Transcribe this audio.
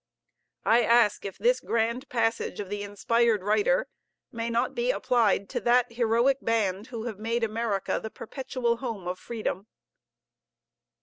I ask if this grand passage of the inspired writer may not be applied to that heroic band who have made America the perpetual home of freedom?